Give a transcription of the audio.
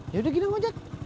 yaudah gini ngajak